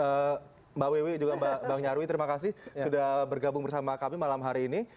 mbak wiwi juga mbak nyarwi terima kasih sudah bergabung bersama kami malam hari ini